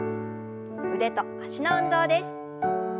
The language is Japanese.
腕と脚の運動です。